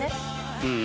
うん。